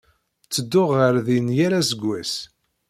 Ttedduɣ ɣer din yal aseggas.